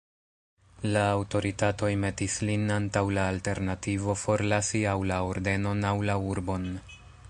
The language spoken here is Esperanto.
La aŭtoritatoj metis lin antaŭ la alternativo forlasi aŭ la ordenon aŭ la urbon.